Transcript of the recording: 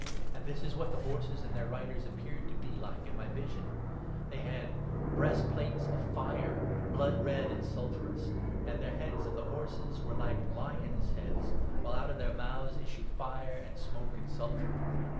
And this is what the horses and 17 their riders appeared to be like in my vision :— They had breastplates of fire, blood red and sulphurous, and the heads of the horses were like lions' heads, while out of their mouths issue fire, and smoke, and sulphur.